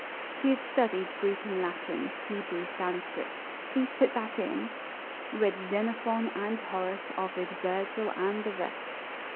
She had studied Greek and Latin, Hebrew, Sanscrit ( please put that in ); Read Xenophon and Horace, Ovid, Virgil and the rest.